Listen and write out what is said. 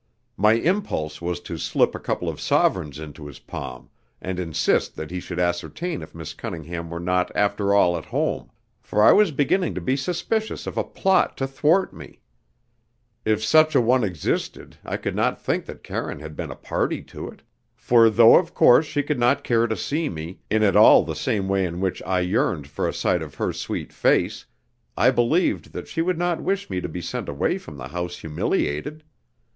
My impulse was to slip a couple of sovereigns into his palm, and insist that he should ascertain if Miss Cunningham were not after all at home, for I was beginning to be suspicious of a plot to thwart me. If such an one existed I could not think that Karine had been a party to it, for though of course she could not care to see me, in at all the same way in which I yearned for a sight of her sweet face, I believed that she would not wish me to be sent away from the house humiliated.